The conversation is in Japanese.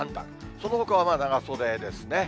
そのほかは長袖ですね。